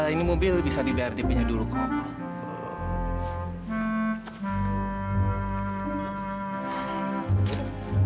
ini mobil bisa dibayar depinya dulu kok